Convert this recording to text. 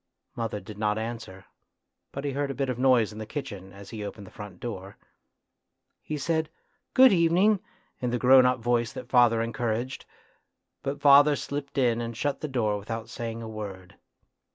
Mother did not answer, but he heard a bit of noise in the kitchen as he opened the front door. He said " Good evening " in the grown up voice that father encouraged, but father slipped in and shut the door without saying a word.